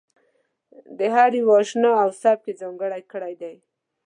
د هر یوه انشأ او سبک یې ځانګړی کړی دی.